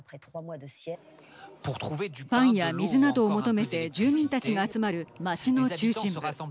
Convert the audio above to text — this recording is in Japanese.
パンや水などを求めて住民たちが集まる街の中心部。